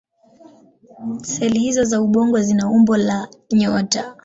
Seli hizO za ubongo zina umbo la nyota.